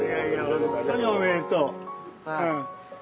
本当におめでとう。